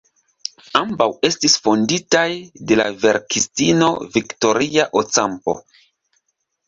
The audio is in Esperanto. Ambaŭ estis fonditaj de la verkistino Victoria Ocampo.